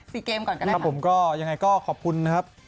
สีเกมก่อนก็ได้หรือเปล่าครับผมยังไงก็ขอบคุณนะครับ